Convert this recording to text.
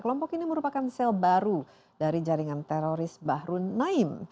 kelompok ini merupakan sel baru dari jaringan teroris bahru naim